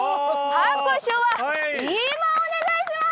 拍手は今お願いします！